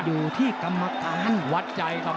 อยู่ที่กรรมการ